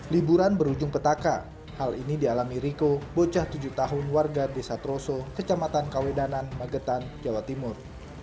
liburan berujung petaka hal ini dialami riko bocah tujuh tahun warga desa troso kecamatan kawedanan magetan jawa timur